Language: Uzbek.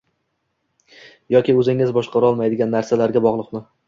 yoki o’zingiz boshqara olmaydigan narsaga bog’liqmi